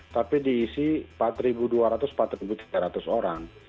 tapi diisi empat dua ratus empat tiga ratus orang